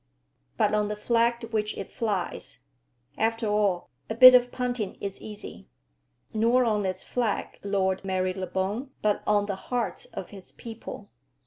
"But on the flag which it flies. After all, a bit of bunting is easy." "Nor on its flag, Lord Marylebone, but on the hearts of its people.